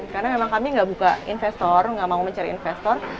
karena memang kami gak buka investor gak mau mencari investor